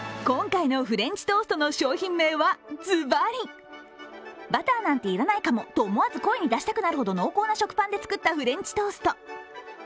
今回のフレンチトーストの商品名はズバリバターなんていらないかも、と思わず声に出したくなるほど濃厚な食パンで作ったフレンチトースト。